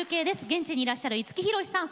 現地にいらっしゃる五木ひろしさん